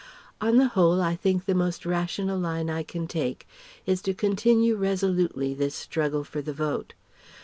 On the whole, I think the most rational line I can take is to continue resolutely this struggle for the Vote.